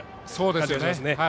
そうですね。